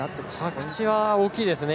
着地は大きいですね。